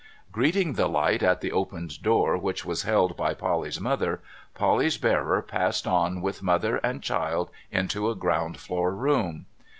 Greeting the light at the opened door which was held by Polly's mother, Polly's bearer passed on with mother and child into a ground floor room.